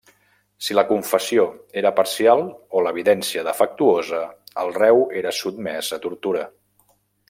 Si la confessió era parcial o l'evidència defectuosa, el reu era sotmès a tortura.